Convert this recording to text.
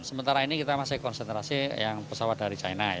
sementara ini kita masih konsentrasi yang pesawat dari china